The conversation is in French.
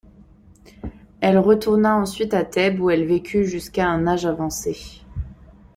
Elle retourna ensuite à Thèbes, où elle vécut jusqu'à un âge avancé.